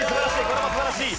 これも素晴らしい。